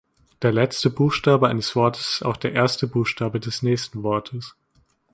Der letzte Buchstabe eines Wortes ist auch der erste Buchstabe des nächsten Wortes.